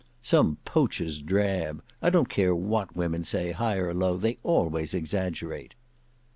"Some poacher's drab! I don't care what women say, high or low, they always exaggerate."